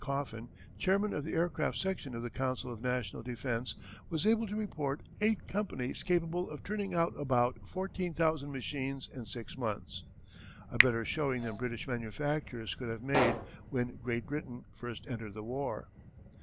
Coffin, Chairman of the Aircraft Section of the Council of National Defence was able to report eight companies capable of turning out about 14,000 machines in six months a better showing than British manufacturers could have made when Great Britain, first entered the war.